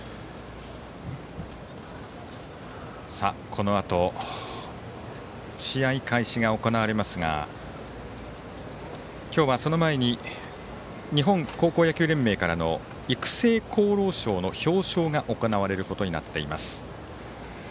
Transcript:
このあと試合が行われますが今日は、その前に日本高校野球連盟からの育成功労賞の表彰が行われることになっています。